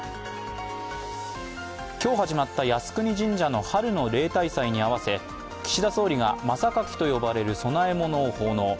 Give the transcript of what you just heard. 今日始まった靖国神社の春の例大祭にあわせ、岸田総理が真榊と呼ばれる供え物を奉納。